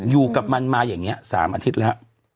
อยู่กับมันมาอย่างนี้๓อาทิตย์แล้ว